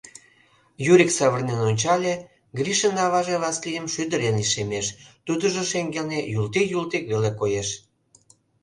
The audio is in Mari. Юрик савырнен ончале, Гришын аваже Васлийым шӱдырен лишемеш, тудыжо шеҥгелне юлтик-юлтик веле коеш.